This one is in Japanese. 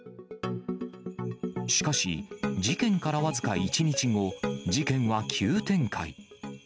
しかし、事件から僅か１日後、事件は急展開。